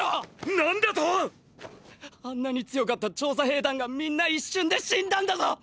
⁉何だと⁉あんなに強かった調査兵団がみんな一瞬で死んだんだぞ